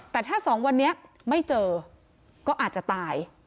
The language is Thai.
แต่ถ้า๒วันนี้ไม่เจอก็อาจจะตาย